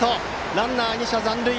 ランナー２者残塁。